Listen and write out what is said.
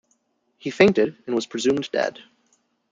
He fainted and was presumed dead.